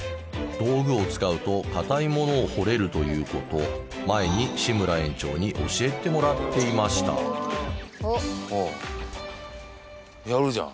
道具を使うと硬いものを掘れるということ前に志村園長に教えてもらっていましたやるじゃん。